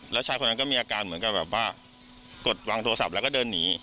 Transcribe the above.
แล้วชายคนนั้นก็มีอาการเหมือนกับแบบว่ากดวางโทรศัพท์แล้วก็เดินหนี